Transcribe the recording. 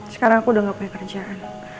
sekarang aku udah gak punya kerjaan